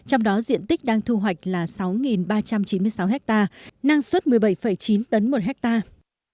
trong đó diện tích đang thu hoạch là sáu ba trăm chín mươi sáu hectare năng suất một mươi bảy chín tấn một hectare